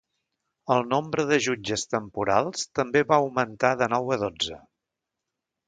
El nombre de jutges temporals també va augmentar de nou a dotze.